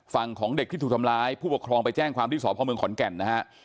ของเด็กที่ถูกทำร้ายผู้ปกครองไปแจ้งความที่สพเมืองขอนแก่นนะฮะ